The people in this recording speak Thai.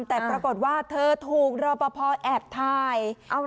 แต่ปรากฏว่าเธอถูกรอปภแอบถ่าย